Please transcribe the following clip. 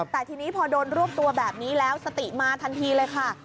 แต่ทีนี้พอโดนรวบตัวแบบนี้แล้วสติมาทันทีเลยค่ะ